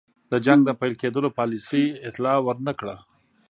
د جنګ د پیل کېدلو پالیسۍ اطلاع ور نه کړه.